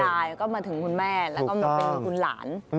แล้วก็มาถึงคุณแม่แล้วก็มาถึงคุณหลาน